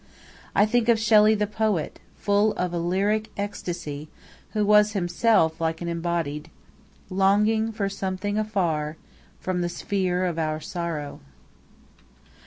I think of Shelley the poet, full of a lyric ecstasy, who was himself like an embodied "Longing for something afar From the sphere of our sorrow."